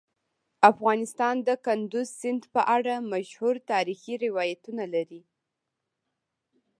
افغانستان د کندز سیند په اړه مشهور تاریخی روایتونه لري.